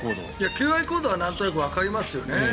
求愛行動はなんとなくわかりますよね。